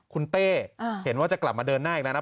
คุณเต้เห็นว่าจะกลับมาเดินหน้าอีกแล้วนะ